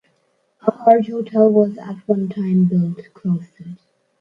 A large hotel was at one time built close to it.